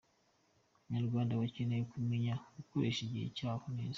Abanyrawanda bakeneye kumenya gukoresha igihe cyabo neza.